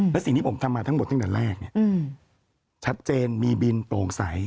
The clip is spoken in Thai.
และสิ่งที่ผมทำมาทั้งหมดตั้งแต่แรกชัดเจนมีบินโปร่งใส